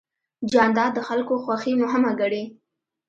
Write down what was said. جانداد د خلکو خوښي مهمه ګڼي.